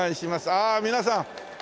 ああ皆さん。